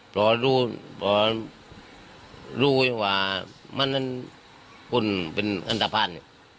พอรู้ว่ามันมันคุณเป็หนทภัณฑ์